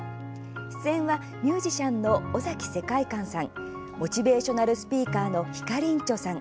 出演はミュージシャンの尾崎世界観さんモチベーショナルスピーカーのひかりんちょさん